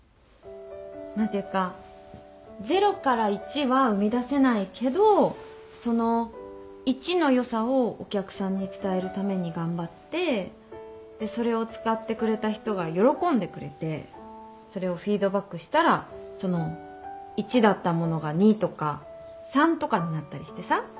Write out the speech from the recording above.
何ていうか０から１は生み出せないけどその１の良さをお客さんに伝えるために頑張ってでそれを使ってくれた人が喜んでくれてそれをフィードバックしたらその１だったものが２とか３とかになったりしてさ。